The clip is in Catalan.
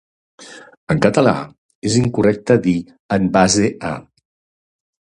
En català, és incorrecte dir "en base a".